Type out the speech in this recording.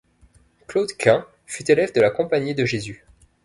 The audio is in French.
Claude Quin fut élève de la Compagnie de Jésus.